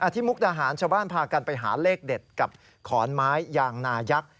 มุกดาหารชาวบ้านพากันไปหาเลขเด็ดกับขอนไม้ยางนายักษ